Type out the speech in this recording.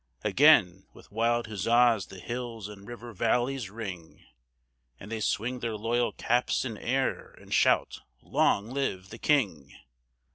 Again with wild huzzas the hills and river valleys ring, And they swing their loyal caps in air, and shout "Long live the King!